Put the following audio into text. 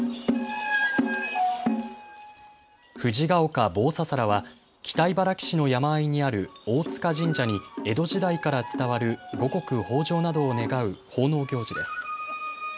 富士ヶ丘棒ささらは北茨城市の山あいにある大塚神社に江戸時代から伝わる五穀豊じょうなどを願う奉納行事です。